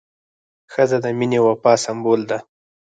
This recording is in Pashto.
ښځه د مینې او وفا سمبول ده.